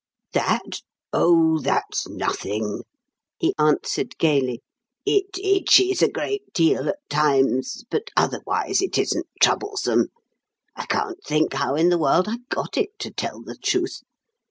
"That? Oh, that's nothing," he answered, gaily. "It itches a great deal at times, but otherwise it isn't troublesome. I can't think how in the world I got it, to tell the truth.